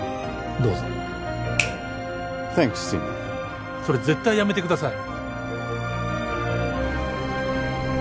どうぞサンクスシンディーそれ絶対やめてください